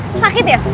kalian tuh kenapa sih